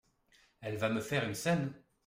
Elle va me faire une scène !